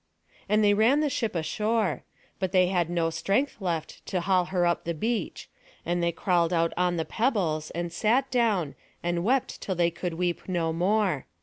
And they ran the ship ashore; but they had no strength left to haul her up the beach; and they crawled out on the pebbles, and sat down, and wept till they could weep no more.